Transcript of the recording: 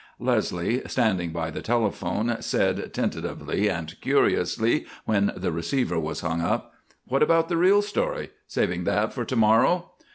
Leslie, standing by the telephone, said, tentatively and curiously, when the receiver was hung up: "What about the real story? Saving that for to morrow?"